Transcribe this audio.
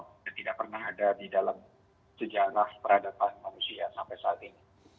tidak pernah ada di dalam sejarah peradaban manusia sampai saat ini